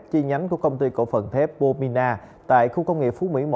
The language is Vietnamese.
chi nhánh của công ty cổ phần thép bomina tại khu công nghiệp phú mỹ một